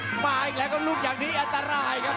โอ้มาอีกแล้วก็ลดอย่างนี้อัตราลครับ